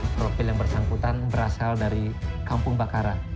profil yang bersangkutan berasal dari kampung bakaran